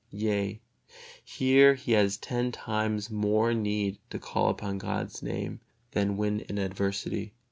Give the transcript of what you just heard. Yea, here he has ten times more need to call upon God's Name than when in adversity.